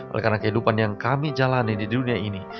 oleh karena kehidupan yang kami jalani di dunia ini